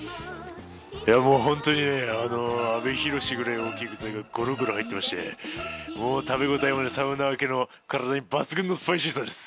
ホントに阿部寛ぐらい大きい具材がごろごろ入っていまして食べ応えもサウナーに抜群のスパイシーさです。